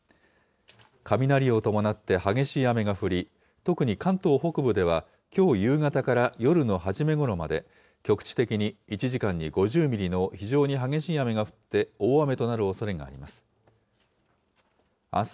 雷を伴って激しい雨が降り、特に関東北部ではきょう夕方から夜の初めごろまで、局地的に１時間に５０ミリの非常に激しい雨が降って、大雨となるおそれがあります。